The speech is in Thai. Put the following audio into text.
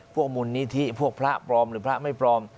พวกมูลนิธิพวกพระปลอมหรือพระไม่ปลอม